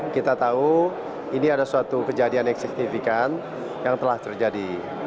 kita tahu ini ada suatu kejadian yang signifikan yang telah terjadi